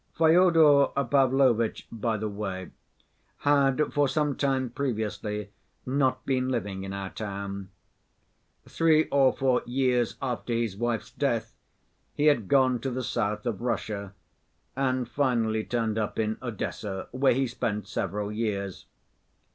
Fyodor Pavlovitch, by the way, had for some time previously not been living in our town. Three or four years after his wife's death he had gone to the south of Russia and finally turned up in Odessa, where he spent several years.